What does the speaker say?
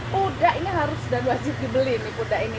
puda ini harus dan wajib dibeli nih puda ini